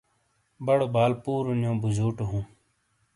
بَڑو بال پُورونِیو بُوجُوٹو ہُوں۔